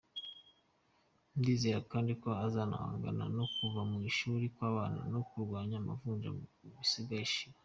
Ndizera kandi ko azanahangana no kuva mu ishuri kw’abana no kurwara amavunja bigashira.